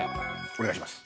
お願いします。